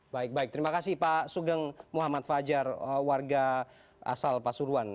baik baik terima kasih pak sugeng muhammad fajar warga asal pasuruan